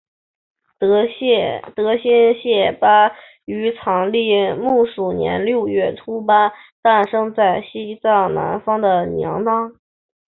德新谢巴于藏历木鼠年六月初八诞生在西藏南方的娘当。